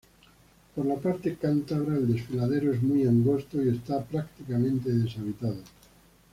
Por la parte cántabra el desfiladero es muy angosto y está prácticamente deshabitado.